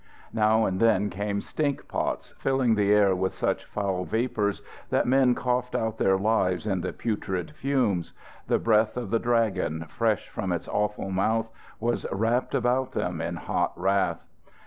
Now and then came "stink pots," filling the air with such foul vapours that men coughed out their lives in the putrid fumes. The breath of the Dragon, fresh from his awful mouth, was wrapped about them in hot wrath.